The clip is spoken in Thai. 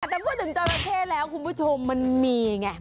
แต่พูดถึงจราเข้แล้วคุณผู้ชมมันมีไง